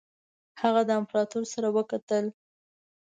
هغه د امپراطور سره وکتل.